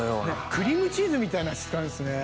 クリームチーズみたいな質感ですね。